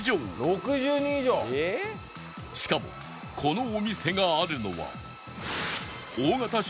しかもこのお店があるのは